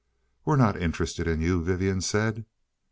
"We're not interested in you," Vivian said.